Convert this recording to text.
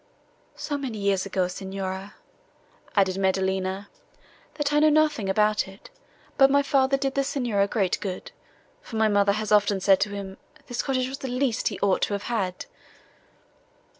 "So many years ago, Signora," added Maddelina, "that I know nothing about it; but my father did the Signor a great good, for my mother has often said to him, this cottage was the least he ought to have had."